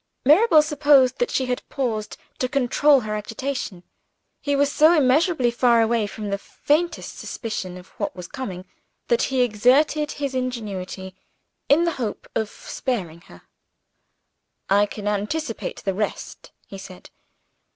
Mirabel supposed that she had paused to control her agitation. He was so immeasurably far away from the faintest suspicion of what was coming that he exerted his ingenuity, in the hope of sparing her. "I can anticipate the rest," he said.